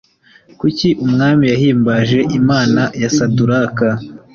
Kuki umwami yahimbaje Imana ya Saduraka